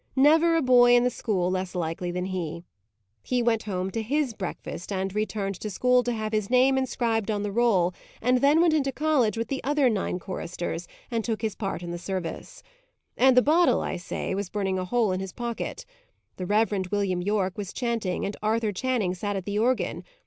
Never a boy in the school less likely than he. He went home to his breakfast, and returned to school to have his name inscribed on the roll, and then went into college with the other nine choristers, and took his part in the service. And the bottle, I say, was burning a hole in his pocket. The Reverend William Yorke was chanting, and Arthur Channing sat at the organ.